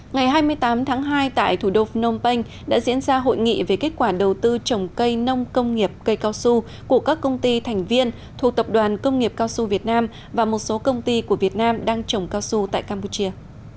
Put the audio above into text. ngày hai mươi tám tháng hai tại thủ đô phnom penh đã diễn ra hội nghị về kết quả đầu tư trồng cây nông công nghiệp cây cao su của các công ty thành viên thuộc tập đoàn công nghiệp cao su việt nam và một số công ty của việt nam đang trồng cao su tại campuchia